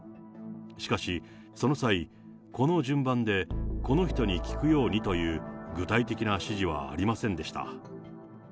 しかし、その際、この順番で、この人に聞くようにという具体的な指示はありませんでした。